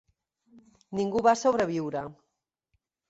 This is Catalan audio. Ningú va sobreviure.